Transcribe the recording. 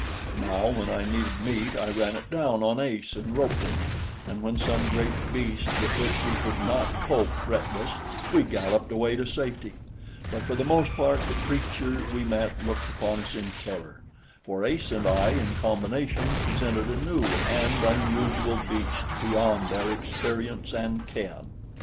Now, when I needed meat, I ran it down on Ace and roped it, and when some great beast with which we could not cope threatened us, we galloped away to safety; but for the most part the creatures we met looked upon us in terror, for Ace and I in combination presented a new and unusual beast beyond their experience and ken.